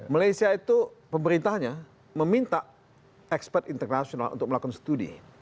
malaysia itu pemerintahnya meminta expert internasional untuk melakukan studi